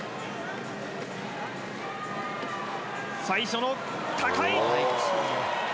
最初の、高い。